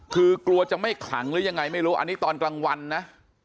คือกลัวจะไม่ขลังหรือยังไงไม่รู้อันนี้ตอนกลางวันนะ